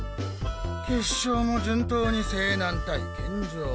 決勝も順当に勢南対健丈。